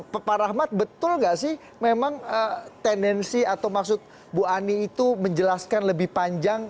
pak rahmat betul nggak sih memang tendensi atau maksud bu ani itu menjelaskan lebih panjang